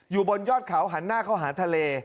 บนยอดเขาหันหน้าเข้าหาทะเล